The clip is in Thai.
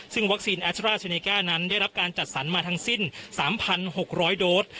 ซึ่งวัคซีนนั้นได้รับการจัดสรรมาทั้งสิ้นสามพันหกร้อยโดส